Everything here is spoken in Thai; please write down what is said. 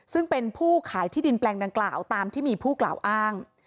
ซึ่งเป็นผู้ขายที่ดินแปลงดังกล่าวตามที่มีผู้กล่าวอ้าง